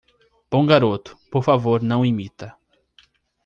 Bom garoto, por favor não imita